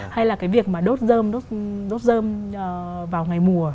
hay là cái việc mà đốt dơm vào ngày mùa